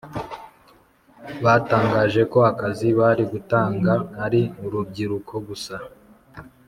batangaje ko akazi bari gutanga ari kurubyiruko gusa